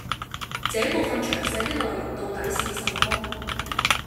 這部分詳細的內容到底是什麼